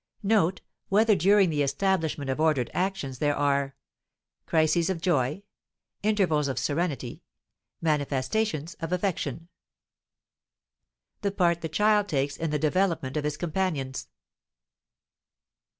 Note whether during the establishment of ordered actions there are: crises of joy; intervals of serenity; manifestations of affection. The part the child takes in the development of his companions.